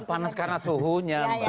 ya panas karena suhunya